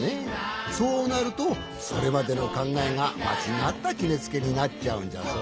そうなるとそれまでのかんがえがまちがったきめつけになっちゃうんじゃぞ。